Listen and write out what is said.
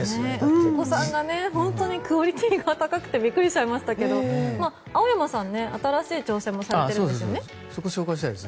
お子さんのクオリティーが高くてびっくりしちゃいましたけど青山さん、新しい挑戦もされているんですよね。